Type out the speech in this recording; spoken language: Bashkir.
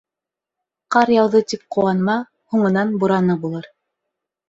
«Ҡар яуҙы» тип ҡыуанма: һуңынан бураны булыр.